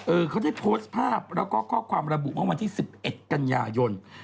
เขาได้โพสต์ภาพแล้วก็ข้อความระบุเมื่อวันที่๑๑กันยายน